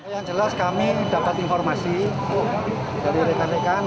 yang jelas kami dapat informasi dari rekan rekan